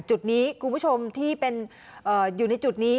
จุดนี้คุณผู้ชมที่เป็นอยู่ในจุดนี้